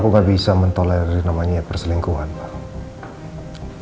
aku gak bisa menoleri namanya perselingkuhan pak